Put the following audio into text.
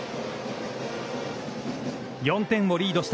４点をリードした